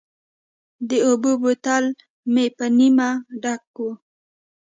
د اوبو بوتل مې په نیمه ډک و.